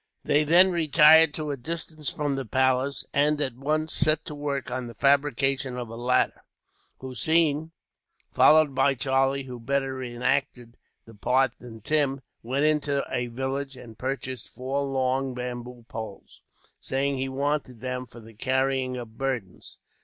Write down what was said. They then retired to a distance from the palace, and at once set to work on the fabrication of a ladder. Hossein, followed by Charlie, who better enacted the part than Tim, went into a village and purchased four long bamboo poles, saying he wanted them for the carrying of burdens.